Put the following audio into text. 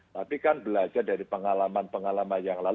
tapi kan belajar dari pengalaman pengalaman yang lalu